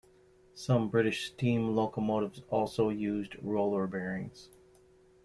Some British steam locomotives also used roller bearings.